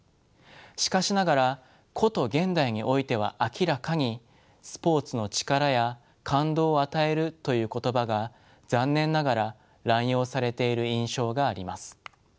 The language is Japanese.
しかしながらこと現代においては明らかに「スポーツの力」や「感動を与える」という言葉が残念ながら濫用されている印象があります。